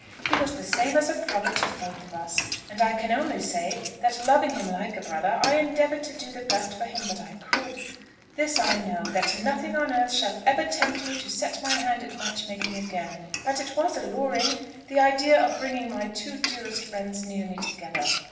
He was the same as a brother to both of us; and I can only say, that loving him like a brother, I endeavoured to do the best for him that I could. This I do know; that nothing on earth shall ever tempt me to set my hand at match making again. But it was alluring, the idea of bringing my two dearest friends near me together.